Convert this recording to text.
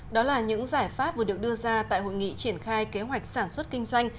đó là những giải pháp vừa được đưa ra tại hội nghị triển khai kế hoạch sản xuất kinh doanh